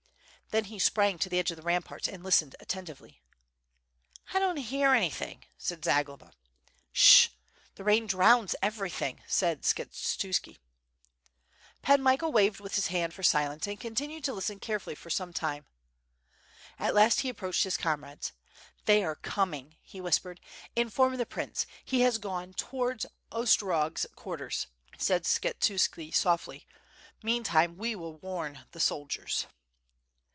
Then he sprang to the edge of the ramparts and listened attentively. "I don^t hear anything," said Zagloba. "Sh! the rain drowns everything," said Skshetuski. Pan Michael waved with his hand for silence and continued to listen carefully for some time. At last he approached his comrades, "they are coming," he whispered. "Inform the prince, he has gone towards Ostrorog's quarters," said Skshet uski softly, "meantime we will warn the soldiers."